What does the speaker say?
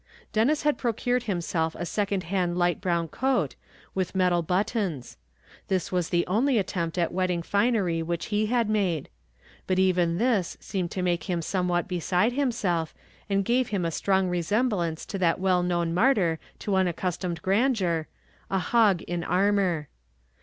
Denis had procured himself a second hand light brown coat, with metal buttons; this was the only attempt at wedding finery which he had made; but even this seemed to make him somewhat beside himself, and gave him a strong resemblance to that well known martyr to unaccustomed grandeur a hog in armour.